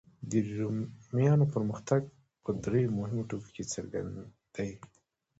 د رومیانو پرمختګ په دریو مهمو ټکو کې څرګند دی.